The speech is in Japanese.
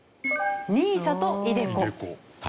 ＮＩＳＡとｉＤｅＣｏ。